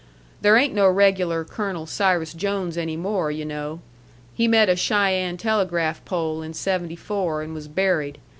There ain't no regular Colonel Cyrus Jones any more, yu' know. He met a Cheyenne telegraph pole in seventy four, and was buried.